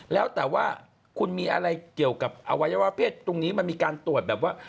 แล้วแต่ว่าคุณมีอะไรเกี่ยวกับอวัยวะเพศตรงนี้มันมีการตรวจแบบว่า